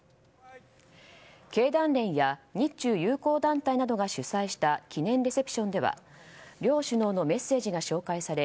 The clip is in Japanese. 経団連や日中友好団体などが主催した記念レセプションでは両首脳のメッセージが紹介され